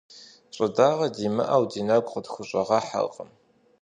Щӏыдагъэр димыӏэу ди нэгу къытхущӏэгъэхьэркъым.